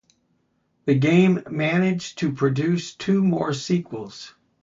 The game managed to produce two more sequels.